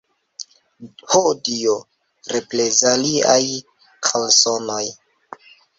Ho Dio, reprezaliaj kalsonoj!